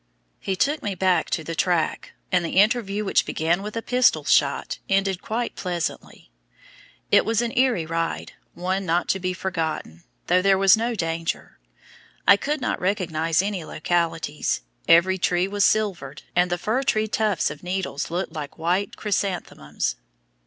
He took me back to the track; and the interview which began with a pistol shot, ended quite pleasantly. It was an eerie ride, one not to be forgotten, though there was no danger. I could not recognize any localities. Every tree was silvered, and the fir tree tufts of needles looked like white chrysanthemums.